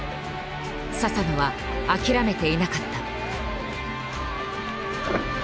佐々野は諦めていなかった。